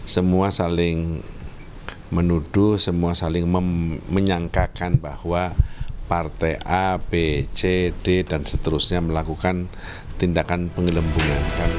semua saling menuduh semua saling menyangkakan bahwa partai a b c d dan seterusnya melakukan tindakan penggelembungan